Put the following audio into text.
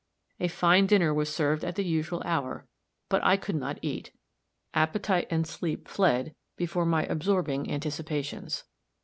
A fine dinner was served at the usual hour but I could not eat. Appetite and sleep fled before my absorbing anticipations.